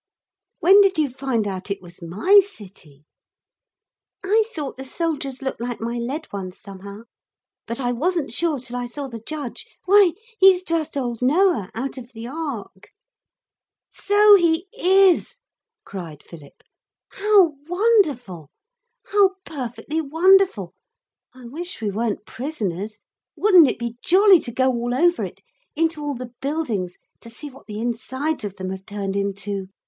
'When did you find out it was my city?' 'I thought the soldiers looked like my lead ones somehow. But I wasn't sure till I saw the judge. Why he's just old Noah, out of the Ark.' 'So he is,' cried Philip; 'how wonderful! How perfectly wonderful! I wish we weren't prisoners. Wouldn't it be jolly to go all over it into all the buildings, to see what the insides of them have turned into?